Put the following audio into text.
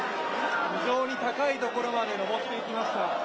非常に高いところまで上っていきました。